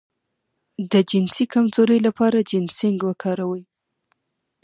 د جنسي کمزوری لپاره جنسینګ وکاروئ